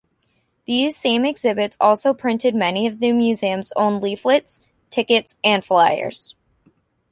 These same exhibits also printed many of the museum's own leaflets, tickets and flyers.